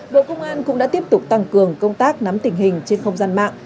bộ công an cũng đã tiếp tục tăng cường công tác nắm tình hình trên không gian mạng